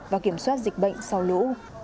và kiểm soát dịch bệnh sau lũ